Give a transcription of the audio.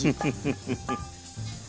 フフフフフ。